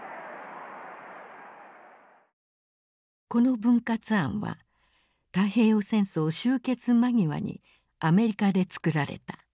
この分割案は太平洋戦争終結間際にアメリカで作られた。